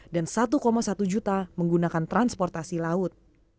dan satu satu juta menggunakan transportasi laut